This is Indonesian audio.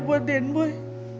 buat den boy